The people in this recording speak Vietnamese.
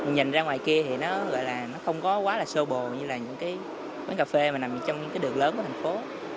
nhìn ra ngoài kia thì nó gọi là nó không có quá là sô bồ như là những cái quán cà phê mà nằm trong những cái đường lớn của thành phố